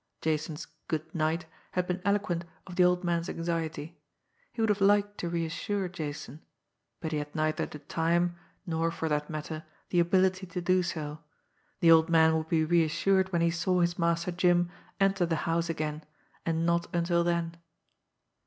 Jason's "good night" had been eloquent of the old man's anxiety. He would have liked to reassure Jason but he had neither the time, nor, for that matter, the ability to do so. The old man would be reassured when he saw his Master Jim enter the house again and not until then!